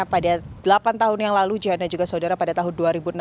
pada delapan tahun yang lalu johan dan juga saudara pada tahun dua ribu enam belas